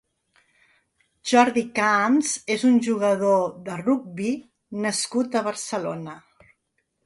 Jordi Camps és un jugador de rugbi nascut a Barcelona.